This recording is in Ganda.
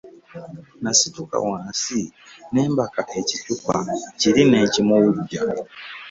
Nasituka wansi ne mbaka ekicupa kiri ne nkimuwujja.